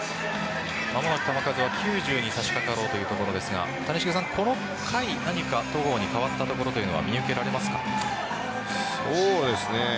間もなく球数は９０に差し掛かろうというところですがこの回、何か戸郷に変わったところは見受けられますか？